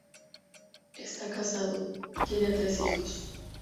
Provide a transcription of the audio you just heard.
Está casado, tiene tres hijos.